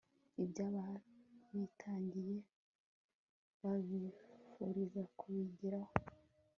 iby'ababitangiye, babifuriza kubigeraho